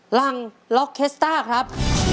หลังล็อกเคสต้าครับ